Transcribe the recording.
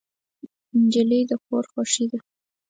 نجلۍ د کور خوښي ده.